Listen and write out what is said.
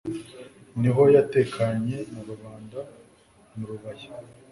Ni ho yatekanye na Rubanda mu Rubaya.